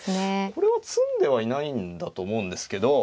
これは詰んではいないんだと思うんですけど。